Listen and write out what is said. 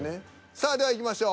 さあではいきましょう。